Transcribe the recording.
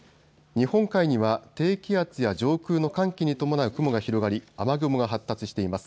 日本海には低気圧や上空の寒気に伴う雲が広がり、雨雲が発達しています。